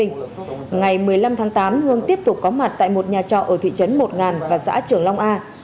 ngày một mươi năm tháng tám hương tiếp tục có mặt tại một nhà trọ ở thị trấn một ngàn và xã trường long a